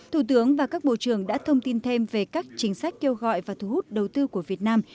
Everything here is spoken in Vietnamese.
thủ tướng và các bộ trưởng đã thông tin thêm về các chính sách kêu gọi và thu hút đầu tư của việt nam